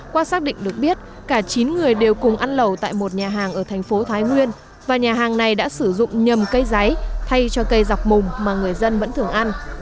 qua xác định được biết cả chín người đều cùng ăn lẩu tại một nhà hàng ở thành phố thái nguyên và nhà hàng này đã sử dụng nhầm cây giấy thay cho cây dọc mùng mà người dân vẫn thường ăn